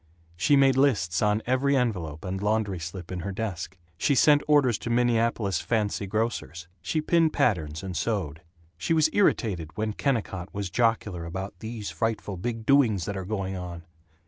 She made lists on every envelope and laundry slip in her desk. She sent orders to Minneapolis "fancy grocers." She pinned patterns and sewed. She was irritated when Kennicott was jocular about "these frightful big doings that are going on."